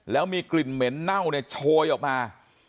แล้วมีกลิ่นเหม็นเน่าเนี่ยโชยออกมา